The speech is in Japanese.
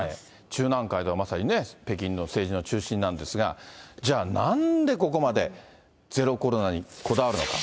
中南海ではまさに、北京の政治の中心なんですが、じゃあ、なんでここまでゼロコロナにこだわるのか。